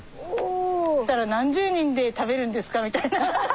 そしたら何十人で食べるんですかみたいな。